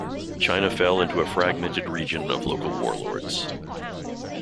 China fell into a fragmented region of local warlords.